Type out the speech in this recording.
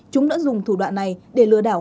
chúng đã dùng thủ đoạn này để lừa đảo